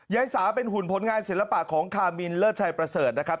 ยายสาเป็นหุ่นผลงานศิลปะของคามินเลิศชัยประเสริฐนะครับ